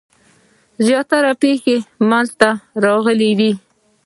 زیاتې پیښې منځته راغلي وي.